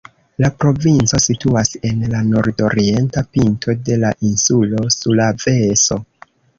La provinco situas en la nordorienta pinto de la insulo Sulaveso.